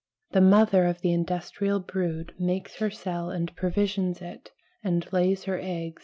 The mother of the industrial brood makes her cell and provisions it, and lays her egg.